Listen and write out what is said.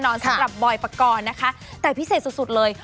นอนสำคับบอยประกอบนะคะแต่พิเศษสุดสุดเลย